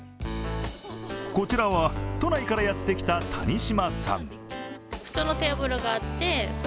こちらは都内からやってきた谷島さん。